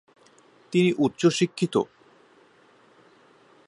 তিনি উচ্চ শিক্ষিত।।